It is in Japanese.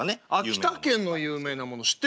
秋田県の有名なもの知ってる？